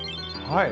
はい。